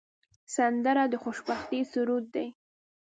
سندره د خوشبختۍ سرود دی